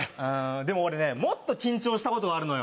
でも俺ねもっと緊張したことがあるのよ。